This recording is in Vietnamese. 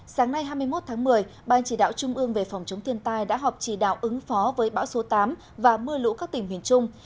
sáng nay hai mươi một tháng một mươi ban chỉ đạo trung ương về phòng chống thiên tai đã họp chỉ đạo ứng phó với bão số tám và mưa lũ các tỉnh huyền trung